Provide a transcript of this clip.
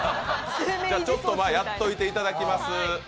ちょっとやっといていただきます。